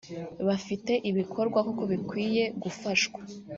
bafite ibikorwa koko bikwiye gufashwa